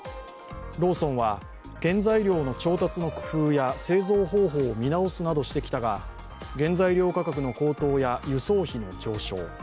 ローソンは、原材料の調達の工夫や製造方法を見直すなどしてきたが原材料価格の高騰や輸送費の上昇